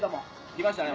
「きましたね